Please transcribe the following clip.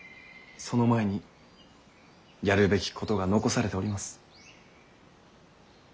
その前にやるべきことが残されております。